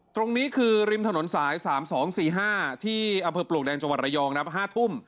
ตรงนี้คือริมถนนสาย๓๒๔๕ที่อำเภอปลวกแดงจังหวัดระยอง๕ทุ่ม